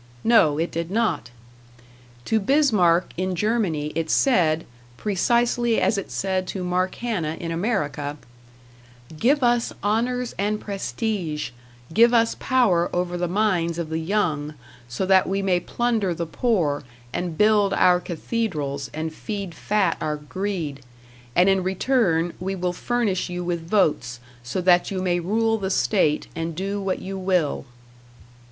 No, it did not. To Bismarck in Germany it said, precisely as it said to Mark Hanna in America: "Give us honors and prestige; give us power over the minds of the young, so that we may plunder the poor and build our cathedrals and feed fat our greed; and in return we will furnish you with votes, so that you may rule the state and do what you will."